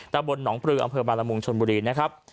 ตำบลหนองปลืออำเภอบาลมุงชนบุรีนะครับ